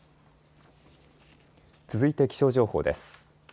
続いて気象情報です。